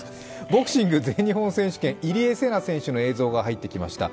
ボクシング全日本選手権、入江聖奈選手の映像が入ってきました。